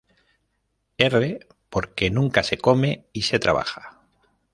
R-Porque nunca se come, y se trabaja.